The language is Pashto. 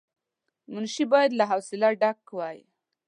منشي باید له حوصله ډک وای.